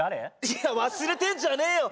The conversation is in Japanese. いや忘れてんじゃねえよ！